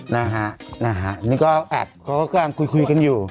นี่ก็แอบควรค่อยคุยกันอยู่